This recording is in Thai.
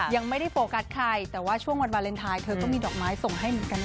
ยังไม่ได้โฟกัสใครแต่ว่าช่วงวันวาเลนไทยเธอก็มีดอกไม้ส่งให้เหมือนกันนะ